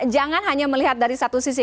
jangan hanya melihat dari satu sisi